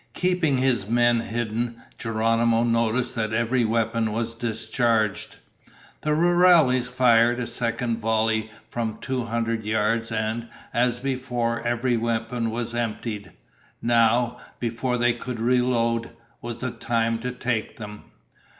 Keeping his men hidden, Geronimo noticed that every weapon was discharged. The rurales fired a second volley from two hundred yards and, as before, every weapon was emptied. Now, before they could reload, was the time to take them.